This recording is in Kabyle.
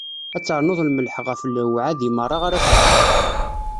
Ad ternuḍ lmelḥ ɣef lewɛadi meṛṛa ara tefkeḍ.